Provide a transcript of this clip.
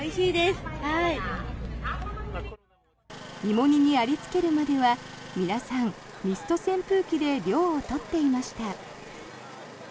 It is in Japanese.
芋煮にありつけるまでは皆さん、ミスト扇風機で涼を取っていました。